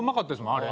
あれ